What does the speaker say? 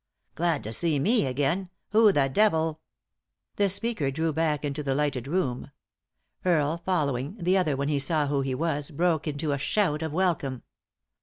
Glad to see me again ? Who the devil " The speaker drew back into the lighted room. Earle following, the other, when he saw who he was, broke into a shout of welcome.